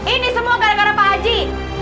ini semua gara gara pak haji